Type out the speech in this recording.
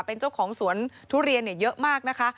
เป็นเจ้าของสวนทุเรียนเยอะมากนะคะ